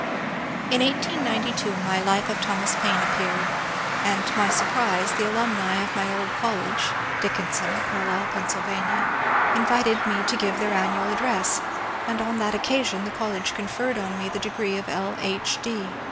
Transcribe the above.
In 1892 my ^^ Life of Thomas Paine " appeared, and to my surprise the alumni of my old college (Dickinson, Carlisle, Pa.) invited me to give their annual address, and on that occasion the collie conferred on me the degree of L. H.